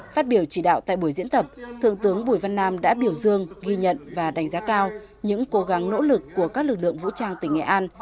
phát biểu chỉ đạo tại buổi diễn tập thượng tướng bùi văn nam đã biểu dương ghi nhận và đánh giá cao những cố gắng nỗ lực của các lực lượng vũ trang tỉnh nghệ an